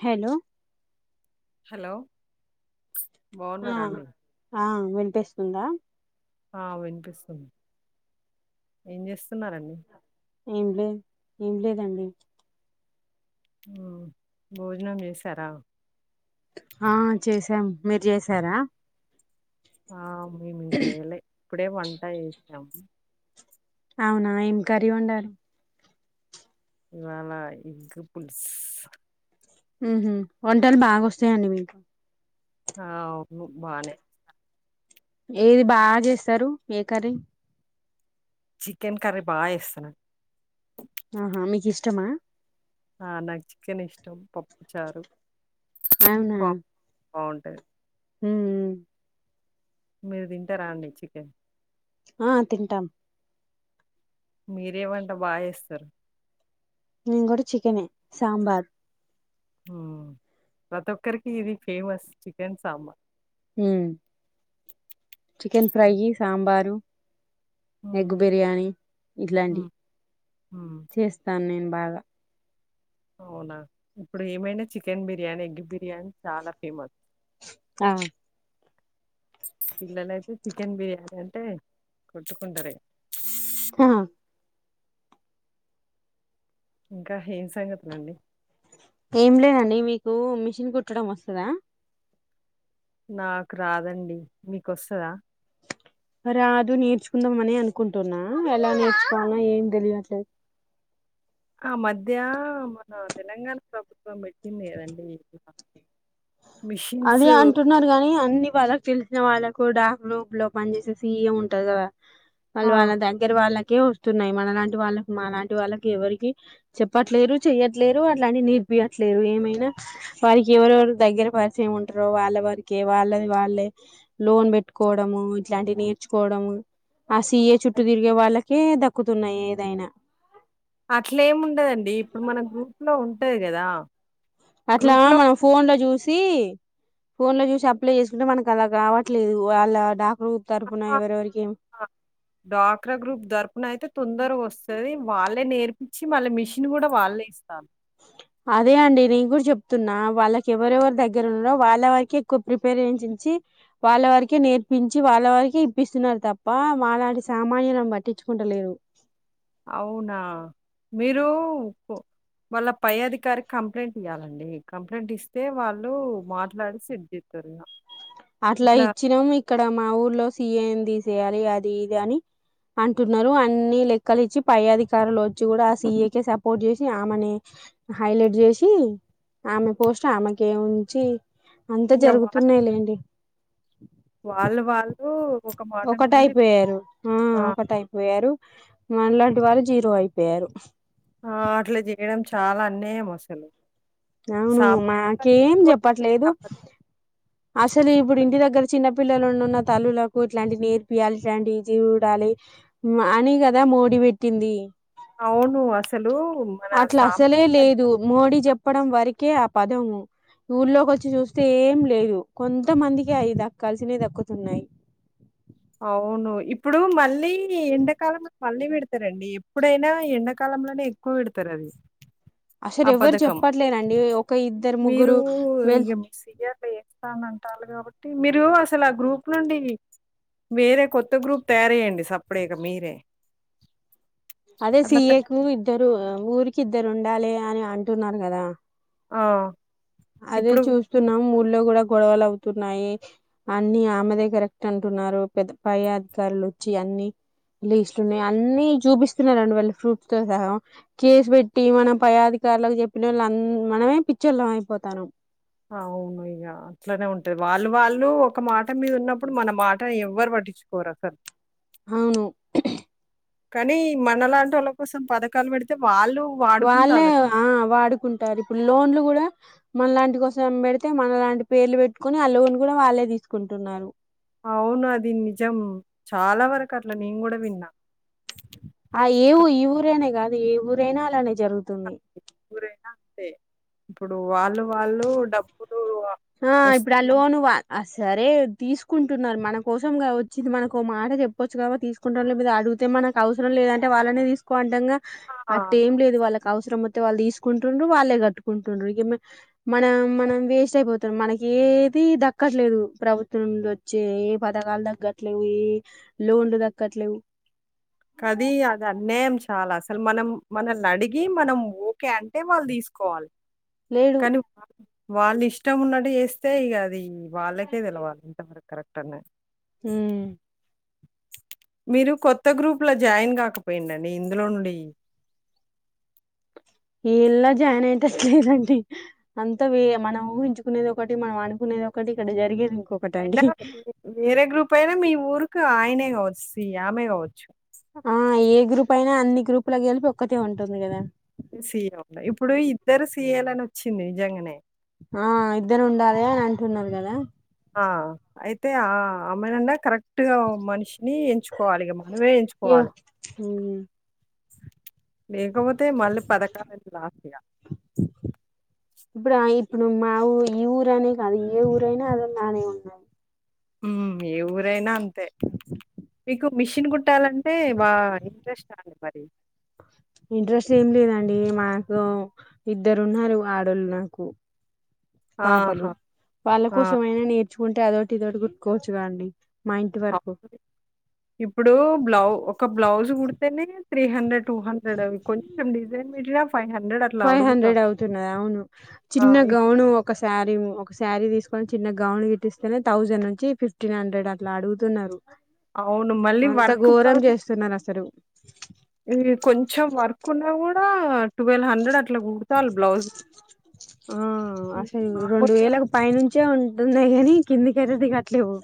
Hello hello ఆ బాగున్నారా అండి ఆ వినిపిస్తుందా ఆ వినిపిస్తుంది ఏం చేస్తున్నారండి ఏం లేద్ ఏం లేదండి హ్మ్ భోజనం చేసారా ఆ చేసాం మీరు చేసారా ఆ మేమింకా ఎయ్యలే ఇప్పుడే వంట చేసాము అవునా ఏం కర్రీ వండారు ఇవాళ ఎగ్గు పులుస్ హ్మ్ హు వంటలు బాగా వస్తాయండి మీకు ఆ అవును బానే ఏది బా చేస్తారు ఏ కర్రీ చికెన్ కర్రీ బాగా వేస్తానా ఆహా మీకు ఇష్టమా ఆ నాకు చికెన్ ఇష్టం పప్పు చారు అవునా బాగుంటది ఉ మీరు తింటారా అండి చికెన్ ఆ తింటాం మీరేవంట బాగాస్తారు మేము గూడ చికెన్ నే సాబద్ ఉ ప్రతి ఒక్కరికి ఇది ఫేమస్ చికెన్ సాంబార్ ఉ చికెన్ ఫ్రై సాంబారు ఎగ్ మ్మ్ బిర్యానీ ఇట్లాంటి మ్మ్ మ్మ్ చేస్తాను నేను బాగా అవునా ఇప్పుడు ఏమైనా చికెన్ బిర్యానీ ఎగ్గి బిర్యానీ చాలా ఫేమస్ ఆ పిల్లలయితే చికెన్ బిర్యానీ అంటే కొట్టుకుంటారే క ఇంకా ఏం సంగతులండి ఏం లేదండి మీకు మిషన్ కుట్టడం వస్తదా నాకు రాదండి మీకు వస్తదా రాదు నేర్చుకుందామని అనుకుంటున్నా ఎలా నేర్చుకోవాలో ఏం తెలియట్లేదు ఆ మధ్య మన తెలంగాణ ప్రభుత్వం పెట్టింది కదండి ఇట్లా అది అంటున్నారు గానీ అన్ని వాళ్ళక్ తెలిసిన వాళ్ళక్ కూడా రూపు లో పని చేసే సి ఏ ఉంటది గదా ఆ! మల్వాల దగ్గర వాల కె వస్తున్నాయి మనలాంటి వాళ్ళకు మలాంటి వాళ్ళకి ఎవరికి చెప్పట్లేరు చెయ్యట్లేరు అట్లాంటి నేర్పియట్లేరు ఏమైనా వారికి ఎవరెవరు దగ్గర పరిస్ చే ఏముంటారో వాళ్ళ వారికే వాళ్ళది వాళ్ళే లోన్ పెట్టుకోవడము ఇట్లాంటివి నేర్చుకోవడము ఆ సిఏ చుట్టూ తిరిగే వాళ్ళకే దక్ క్కుతున్నాయి ఏదైనా అట్లా ఏం ఉండదండి ఇప్పుడు మన గ్రూప్ లో ఉంటది గదా అట్లా మన ఫోన్ ల జూసి ఫోన్ ల జూసి అప్లై చేసుకుంటే మనకు అలా రావట్లేదు వాళ్ళ డా డాక్రా గ్రూప్ దర్పుణ అయితే తొందరగా వస్తది వాళ్ళే నేర్పించి మళ్ళీ మిషన్ కూడా వాళ్ళే ఇస్తారు అదే అండి నేను కూడా చెప్తున్నా వాళ్ళకి ఎవరెవరు దగ్గర ఉన్నారో వాళ్ళవరికె ఎక్కువ ప్రిపరేచేయించి వాళ్ళ వరకే నేర్పించి వాళ్ళ వరకే ఇప్పిస్తున్నారు తప్ప మా లాంటి సామాన్యులను పట్టించుకుంటలేరు అవునా మీరు వాళ్ళ పై అధికారి కంప్లైంట్ ఇయ్యాలండి కంప్లైంట్ ఇస్తే వాళ్ళు మాట్లాడి సిడ్ చేత్తారు ఇగా అట్లా ఇచ్చినాము ఇక్కడ మా ఊర్లో సి ఏంది జేయాలి అది ఇది అని అంటున్నారు అన్ని లెక్కలు ఇచ్చి పై అధికారులు వచ్చి గూడా సీఏ కి సపోర్ట్ చేసి ఆమెనే హైలైట్ చేసి ఆమె పోస్ట్ ఆమెకే ఉంచి అంత ఇగ వాళ్ళు జరుగుతున్నాయ్ లేండి వాళ్ళు వాళ్ళు ఒక మాట ఒకటయ్ మీదనే పోయారు ఉ ఆ! ఒకటయ్ పోయారు మళ్ళ ఇటు వాళ్ళు జీరో అయిపోయారు ఆ అట్ల జేయడం చాలా అన్యాయమ్ అసలు అవును సామాజిక బాధ్యత మాకేం సోషల్ చెప్పట్లేదు బాధ్యత. అసలు ఇప్పుడు ఇంటి దగ్గర చిన్నపి పిల్లలు ఉన్నున్న తల్లులకు ఇట్లాంటి నేర్పియాలి ఇట్లాంటి ఇజి ఉండాలి ఉమ్ అని కదా మోడి పెట్టింది అవును అసలు మన అట్లా సాంప అసలే [inaudible] లేదు మోడీ చెప్పడం వరికే ఆ పదము ఊర్లోకొచ్చి చూస్తే ఏం లేదు కొంతమందికే అయి దక్కాల్సినయి దక్కుతున్నాయ్ అవును ఇప్పుడు మళ్ళీ ఈ ఎండకాలమ మళ్ళీ పెడతరండి ఎప్పుడైనా ఎండాకాలంలోనే ఎక్కువ వెడతరు అది అసలు ఆ ఎవరు పధకం చెప్పట్లేరండి ఒక ఇద్దరు మీరు ముగ్గురు వెళ్ ఇగ మి సినీయర్లు చెప్తాన్నా తాలు కాబట్టి మీరు అసలు ఆ గ్రూప్ నుండి వేరే కొత్త గ్రూప్ తయార్జేయండి సప్ప్ డేగ మీరే అదే అట్లా సిఏకు తయారై ఇద్దరు ఊరికిద్దరు ఉండాలి అని అంటున్నారు కదా ఆ అదే ఇప్పుడు చూస్తున్నాం ము లో కూడా గొడవలు అవుతున్నాయి అన్ని ఆమెదే కరెక్ట్ అంటున్నారు పెద్ద పై అధికారులొచ్చి అన్ని లీస్ట్లున్నాయి అన్ని చూపిస్తున్నారండి వాళ్ళు ఫ్రూప్స్ తో సహ కేస్బెట్టి మనం పై అధికారులకు చెప్పినోళ్ళంద మనమే పిచ్చోళ్లం అయిపోత తరుం అవును ఇగ అట్లనే ఉంటది వాళ్ళు వాళ్ళు ఒక మాట మీదున్నప్పుడు మన మాటని ఎవ్వరు పట్టించుకోర్ అసల్ అవును కానీ మన లాంటోళ్ళ కోసం పథకాలు పెడితే వాళ్ళు వాళ్ళే వాడుకుంటాళ్ళు ఆ వాడుకుంటారు ఇప్పుడు లోన్లు కూడా మన లాంటి కోసం బెడితే మనలాంటి పేర్లు పెట్టుకుని ఆ లోన్ కూడా వాళ్ళే తీసుకుంటున్నారు అవును అది నిజం చాలా వరకట్ల నేన్ గుడ విన్నా ఆ ఒక్క ఏవు ఈఊరనేగాద్ ఏ ఊరైనా అలానే జరుగుతుంది ఊరైనా అంతే ఇప్పుడు వాళ్ళు వాళ్ళు డబ్బులు ఆ ఇప్పుడు ఆ వొస్తయి లోన్ వా ఆ సరే తీసుకుంటున్నారు మన కోసం గా వచ్చింది మనకోమాట చెప్పొచ్చు కాబ తీసుకుంటాళ్ళమ్ ఇద అడిగుతే మనకవసరం లేదంటే వాళ్ళనే తీసుకో అంటంగా ఆ అట్టేం లేదు వాళ్ళక్ అవసరమొత్తే వాళ్ళు తీసుకుంటుండ్రు వాళ్ళే కట్టుకుంటుండ్రు ఇగ మే మనం మనం వేస్ట్ అయిపోతం మనకేది దక్కట్లేదు ప్రభుత్వం నుండొచ్చే ఏ పథకాలు దగ్గట్లేవు ఏ లోన్లు దక్కట్లేవు కది అదన్యాయమ్ చే చాలాసలు మనం మనల్నడిగి ఏ మనం ఓకే అంటే వాళ్ళు తీసుకోవాలి లేడు కను వాళ్ళు ఇష్టం ఉన్నట్టు చేస్తే ఇక అది వాళ్ళకే తెలవాలి ఇంతవరకు కరెక్ట్ అనే హుమ్ మీరు కొత్త గ్రూప్ లో జాయిన్ కాకపోయిండండి ఇందులో నుండి, ఏల్లా జాయిన్ అనే ఇంట్రెస్ట్ లేదండి అంతే మనం ఊహించుకునేది ఒకటి, మనం ఆనుకునేది ఒకటి, ఇక్కడ జరిగేది ఇం ఐనా వే వేరే గ్రూప్ అయినా మీ ఊరు కా ఆయనే కావచ్చు సీ ఆమె కావచ్చు ఆ ఏ గ్రూప్ అయినా అన్ని గ్రూపులకు గలిపి ఒక్కటే ఉంటుంది కదా సీ ఇఓ లో ఇప్పుడు ఇద్దరు సీఏలని వచ్చింది నిజంగనే ఆ ఇద్దరు ఉండాలె అని అంటున్నారు కదా ఆ అయితే ఆ అమెనన్నా కరెక్ట్ గా మనిషి ని ఎంచుకోవాలి ఇ మనమే యో ఎంచుకోవాలి మ్మ్ లేకా పొ తే మళ్ళ పథకాల ఇప్పుడు ఇప్పుడు మా ఊ ఈ ఊరనే కాదు ఏ ఊరైనా అద నానే ఉన్నాయి మ్ ఏ ఊరేనా అం మీకు మిషిన్ కుట్టాలంటే బ ఇంట్రెస్ట్ చాలే బరి ఇంట్రెస్ట్ ఏం లేదండి మాకు ఇద్దరు ఉన్నారు ఆడోళ్ళు నాకు పాపలు ఆహా! వాళ్ళ ఆ! కోసమైనా నేర్చు కుంటే అదోటి ఇదటి గుట్టుకోవచ్చు కాండి ఇప్పుడు బ్లౌ ఒక బ్లౌజ్ కుడితేనే త్రీ హండ్రెడ్ టూ హండ్రెడ్ అవి కొంచెం డిజైన్ మీట్లా ఫైవ్ హండ్రెడ్ అవుతున్నది అవును ఆ! చిన్న ఇప్పుడు గౌను ఒక శారీ ఒక ఒక శారీ తీసుకొని చిన్న గౌన్ గిట్స్తేనే థౌజండ్ నుంచి ఫిఫ్టీన్ హండ్రెడ్ అట్లా అడుగుతున్నారు అవును మళ్ళీ అంత వర్క్ ఘోరం చేస్తున్నారు [unintelligible] అసలు ఈ కొంచెం వర్క్ ఉన్నా కూడా అ ఆ ఇది అసలు రెండు మామూలుగా వేలకు పైనుంచే ఉ నని కంది కరది కట్లే పోు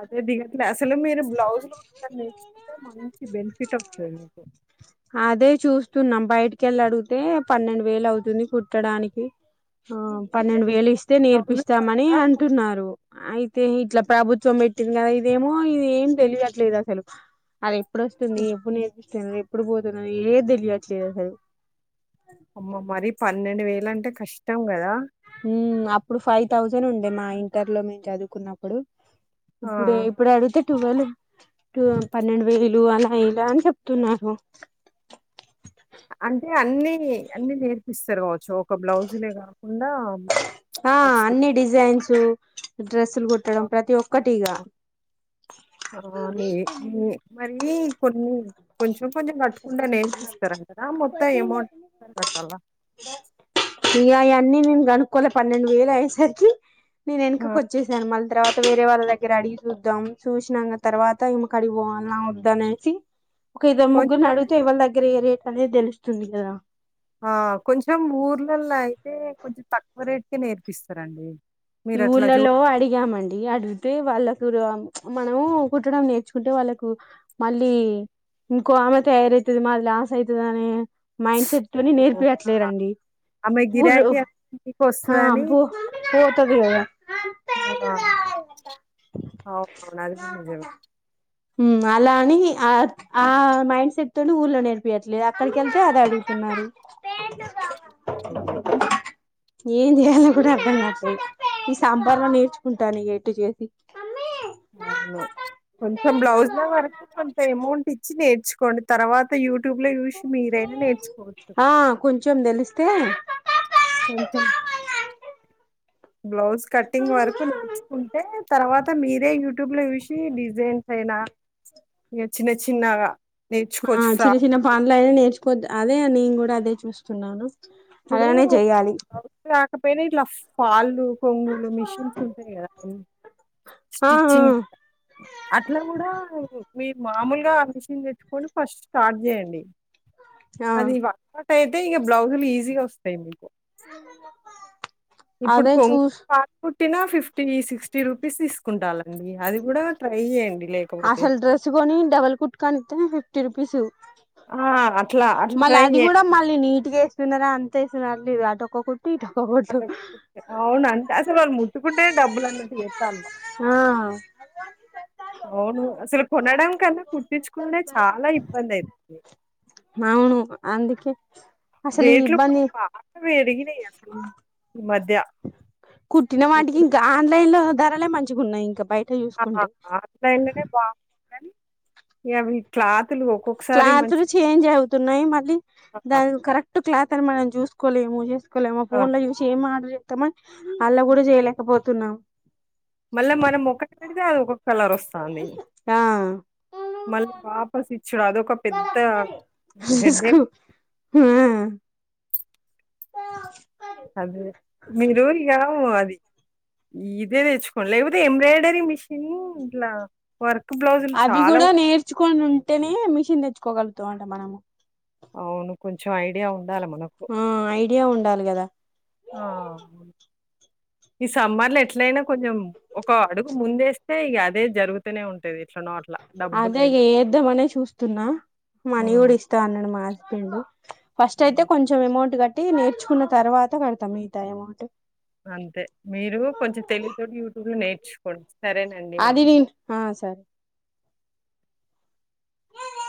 అదే దిగట్లే అసలు మీరు బ్లౌజ్లు నేర్చుకుంటే మ బెనిఫిట్ అప్తు అదే చూస్తున్నాం బయటికి వెళ్ళి అడిగితే పన్నెండు వేలు అవుతుంది కుట్టడానికి ఆ అంటే పన్నెండు వేలు ఇస్తే ఓన్లీ బ్లౌజులు నేర్పిస్తామని కాక అంటున్నారు అయి ఇట్లా ప్రభుత్వం పెట్టింది కదా ఇదేమో ఇది ఏం తెలియట్లేదు అసలు అది ఎప్పుడు వస్తుంది ఎప్పుడు నే తె ఎప్పుడు పోతున్నారు ఏం తెలియట్లేదు అసలు అమ్మ మరి పన్నెండు వేల అంటే కష్టం కదా మ్ అప్పుడు ఫైవ్ థౌజండ్ ఉండే మా ఇంటర్ లో మేము చదువుకున్నప్పుడు ఆ! ఇప్పుడే ఇప్పుడు అడుగుతు టువలు పన్నెండు వేలు అలా ఇలా అని చెప్తున్నారు అంటే అన్ని అన్నిీ నేర్పిస్తారు కావచ్చు సో ఒక బ్లౌజులే కాకుండా ఫ్రాక్స్ డ్రెస్లు కుట్టడం ప్రతి ఒక్కటిగా ఆ! నీ కొంచ కొంచెం కట్టుకుంటే నేర్పిస్తార కదా మొత్తం ఎమౌంట్ ఒకేసారి కట్టాలా న్నీ నేను కనుక్కోలే పన్నెండు వేలు అయేసరికి నేను వెనకకి ఆ! వచ్చేాను మల్ తరావాత వేరే వాళ్ళ దగ్గర అడిగి చూద్దాం చూసిన తర్వాత ఈమెకుడిగి పోవాల్న వద్ద అనేసి ఒక కొంచెం నడు చ ఇవాళ దగ్గర ఏ అదే తెలుస్తుంది కదా ఆ కొంచం ఊర్ ల్ల అయితే కొంచెం తక్కువ రేటుకే నేర్పిస్తారండి ఈ మీరట్లా జూ ఊళ్ళలో అడిగామండి అడిగితే వాళ్ళ మనము కుట్టడం నేర్చుకుంటే వాళ్ళకు మళ్ళీ ఇంకో ఆమె తయారవుతుంది మా లాస్ అవుతుంది అనే మైండ్ సెట్ ని ఓహ్! ఆ! నేర్పియట్లేరండి ఆమె ఊర్లో గిరాకీ అంతా మీకొస్తదని అ ఆ! అవునవును. అది గూడా నిజమే. మ్ అలా అని ఆ ఆ మైండ్ సెట్ తోని ఊర్లో నేర్పియట్లేదు అక్కడికెళ్తే అది అడుగుతున్నారు అ ఏం చేయలో కూడా అర్థం కావట్లేదు ఈ సమ్మర్ లో నేర్చుకుంటాను ఎటు చేసి అవును కొంచెం బ్లౌజ్ల వరకు కొంత అమౌంట్ ఇచ్చి నే చు కోండి తర్వాత యూ యూట్యూబ్ లో చూసి మీరైనా నేర్చుకోవచ్చు చం దెలిస్తే ఉంట బ్లౌజ్ కటింగ్ వరకు నేర్చుకుంటే తర్వాత మీరే యు ట్యూబ్ ల చూసి డిజైన్ అైనా ఇక చిన్న చిన్నగా ఆ నేర్చుకోవచ్చు చిన్న ఫ్రాక్ చిన్న పనులు అయినా నేర్చుకోద్ అదే నేను కూడా అదే చూస్తున్నాను అలానే చెయాలి [unintelligible] ఫళ్ళు కొంగులు మిషన్స్ ఉంటాయి కదా ఆ ఆ స్టిచ్చింగ్ అట్లా కూడా మీరు మామూలుగా ఆ మిషన్ తెచ్చుకొని ఫస్ట్ స్టార్ట్ చేయండి ఆ అది వా అయితే ఈ బ్లౌజ్లు ఈజీ గా వస్తాయి మీకు అదే చూస్ ఫిఫ్టీనో ఫిఫ్టీ సిక్స్టీ రూపీస్ తీసుకుంటాలండి అది కూడా ట్రై చేయండి అసలు డ్రెస్సు కొని డబల్ కుట్టుకంటే ఫిఫ్టీ రుపీస్ ఆ అట్లా అట్లా ట్రై చెయండి సన్నారా అంతేస్తున్నారు అటు ఒక్కొక్క అవున అంటే అసలు వాళ్ళు ముట్టుకుంటే డబ్బులు అన్నట్టు జెతాన్డ్రు ఆ అవును అసలు కొనడం కన్నా కుట్తించుకునే చాలా ఇబ్బంది అవుతుంది అవును అందుకే అసలు ఈ రేట్లు కూడా ఇబ్బంది బాగా పెరిగినాయి అసలు కుట్టిన వాటికి ఇప్పుడు ఇంకా ఆన్లైన్ లో ధరలేే మంచిగా ఉన్నాయి ఇంకా బయట ఆహ చూసుకుంటే అట్లైతేనే బాన్ యమ్ క్లాత్ క్లాత్లు చేంజ్ అవుతున్నాయి మళ్ళీ ఆ! దాని కరెక్ట్ క్లాత్ కానీ మనం చూసుకోలే ఏ చేస్త లే మా ఆ! ఫోన్ యూసి ఏం మ్రి తమ అల్లా కూడా జయలేకపోతు త్తన్నా మళ్ళా మనం ఒక్క పెడితే అదు ఒక కలర్ వస్తుంది ఆ మళ్ళీ వాపస్ ఇచ్చడు అదొక పెద్ద చూసుకో హెడేక్ ఆ [inaudible] అదే మీరు ఇగ ఇదే తెచ్చుకోండి లేకపోతే ఎంబ్రాయిడరీ మిషన్ ఇట్లా వర్క్ బ్లౌజులు అవి చాలా కూడా నేర్చుకొని ఉంటేనే మిషన్ తెచ్చుకోగల అంట మనము అవును కొంచెం ఐడియా ఉ డాల మనకు ఐ డియా ఉండాలి కదా ఆ ఈ సమ్మర్ లో ఎట్లయినా కొంచెం ఒక అడుగు ముందేస్తే ఇగా అదే జరుగుతూనే ఉంటది ఎట్లనో అట్లా అదే డబ్బులైనా. ఏద్దామనే చూస్తున్నా మనీ హ్మ్. కూడా ఇస్తా అన్నాడు మా హాస్ [unintelligible] ఫస్ట్ అయితే హ్మ్. కొంచెం అమౌంట్ కట్ అంటే నేర్చుకున్న తర్వాత కడతాం [unintelligible] అంతే మీరు కొంచెం తెలివితోటి యూట్యూబ్ లో నేర్ ర్చ్ కోని అది తింట్ ఆ సరే